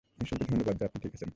ঈশ্বরকে ধন্যবাদ যে আপনি ঠিক আছেন!